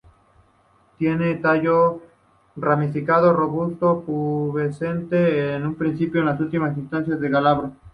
Tiene tallo ramificado, robusto, pubescente en un principio, en última instancia, glabro.